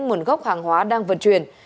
nguồn gốc hàng hóa đang vận chuyển